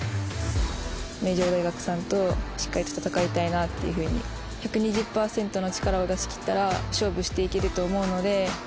名城大学さんと、しっかりと戦いたいなというふうに１２０％の力を出し切ったら勝負していけると思うので。